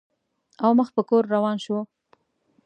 او مخ په کور روان شو.